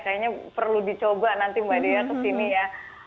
kayaknya perlu dicoba nanti mbak dea kesini ya